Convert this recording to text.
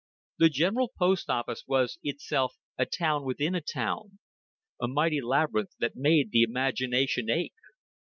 The General Post Office was itself a town within a town a mighty labyrinth that made the imagination ache.